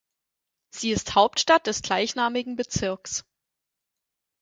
Sie ist Hauptstadt des gleichnamigen Bezirks.